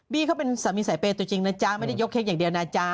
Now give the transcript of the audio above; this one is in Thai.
เขาเป็นสามีสายเปย์ตัวจริงนะจ๊ะไม่ได้ยกเค้กอย่างเดียวนะจ๊ะ